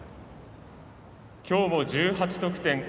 きょうも１８得点。